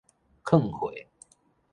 囥歲